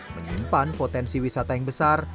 menyimpan potensi wisata yang besar